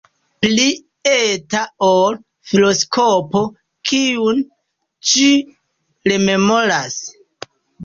Pli eta ol filoskopo, kiun ĝi rememoras.